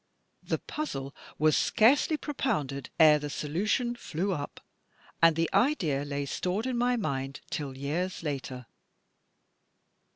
The puzzle was scarcely propounded ere the solution flew up and the idea lay stored in my mind till years later."